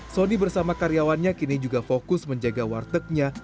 sony bersama karyawannya kini juga fokus menjaga wartegnya